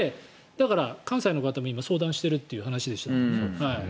だから、関西の方も今、相談しているという話で。